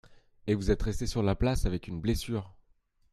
Et vous êtes resté sur la place avec une blessure !